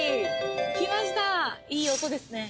来ましたいい音ですね